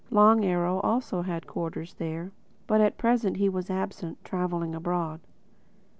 Long Arrow also had quarters there; but at present he was absent, traveling abroad.